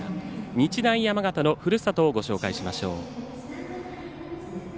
日大山形のふるさとをご紹介しましょう。